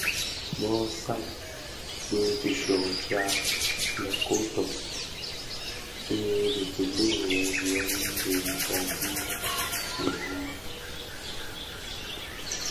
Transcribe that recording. Bö san bi tishyo tya lè koton ti lè publins nghemziyèn ti daadi i Roma.